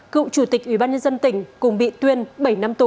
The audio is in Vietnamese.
cựu chủ tịch ủy ban nhân dân tỉnh cùng bị tuyên bảy năm tù